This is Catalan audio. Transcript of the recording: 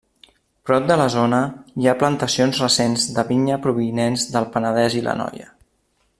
Prop de la zona, hi ha plantacions recents de vinya provinents del Penedès i l'Anoia.